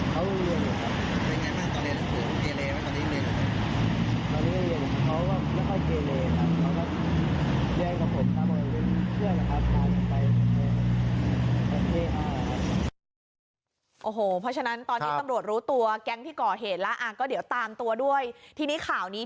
เขาเรียนหนังสืออยู่ด้วยกับผมนี่แหละเขาเรียนหนังสืออยู่ด้วยกับผมนี่